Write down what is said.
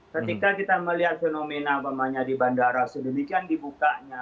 ketika kita melihat fenomena umpamanya di bandara sedemikian dibukanya